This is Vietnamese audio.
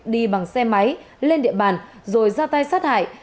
đi bằng xe máy lên địa bàn rồi ra tay sát hại